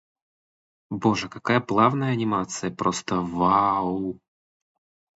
Боже, какая же плавная анимация! Просто вау-у-у!